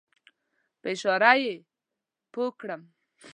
په اشاره یې پوی کړم.